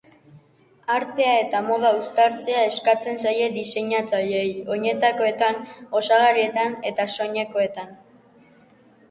Artea eta moda uztartzea eskatzen zaie diseinatzaileei, oinetakoetan, osagarrietan eta soinekoetan.